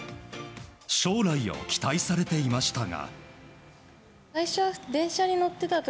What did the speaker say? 将来を期待されていましたが。